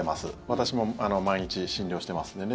私も毎日、診療していますので。